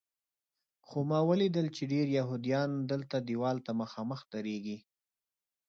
خو ما ولیدل چې ډېر یهودیان دلته دیوال ته مخامخ درېږي.